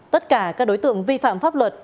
tất cả các đối tượng vi phạm pháp luật